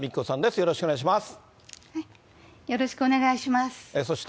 よろしくお願いします。